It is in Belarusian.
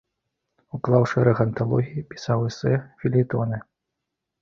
Уклаў шэраг анталогій, пісаў эсэ, фельетоны.